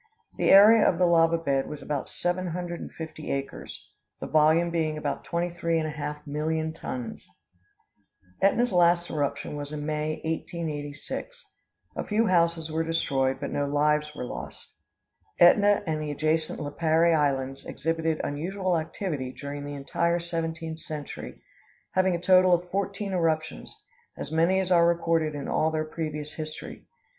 The area of the lava bed was about seven hundred and fifty acres, the volume being about twenty three and a half million tons. Ætna's last eruption was in May, 1886; a few houses were destroyed, but no lives were lost. Ætna and the adjacent Lipari Islands exhibited unusual activity during the entire seventeenth century, having a total of fourteen eruptions; as many as are recorded in all their previous history.